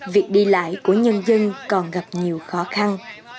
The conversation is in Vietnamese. việc đi lại của nhân dân còn gặp nhiều khó khăn